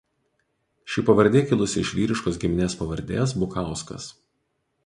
Ši pavardė kilusi iš vyriškos giminės pavardės Bukauskas.